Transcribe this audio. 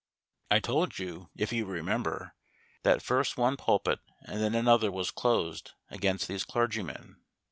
I told you, if you remember, that first one pulpit and then another was closed against these clergymen.